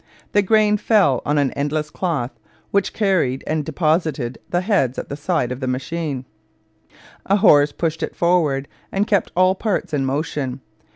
The grain fell on an endless cloth which carried and deposited the heads at the side of the machine. A horse pushed it forward and kept all parts in motion.